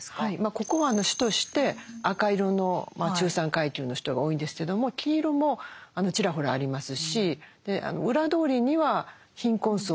ここは主として赤色の中産階級の人が多いんですけども黄色もちらほらありますし。